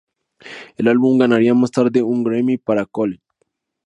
El álbum ganaría más tarde un Grammy para Cole.